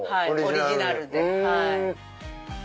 オリジナルで。